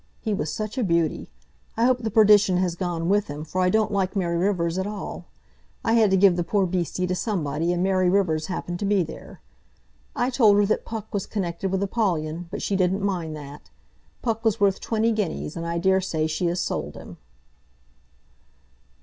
He was such a beauty! I hope the perdition has gone with him, for I don't like Mary Rivers at all. I had to give the poor beasty to somebody, and Mary Rivers happened to be there. I told her that Puck was connected with Apollyon, but she didn't mind that. Puck was worth twenty guineas, and I daresay she has sold him."